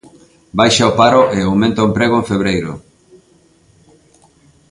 Baixa o paro e aumenta o emprego en febreiro.